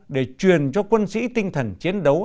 để truyền cho quân sĩ tinh thần chiến đấu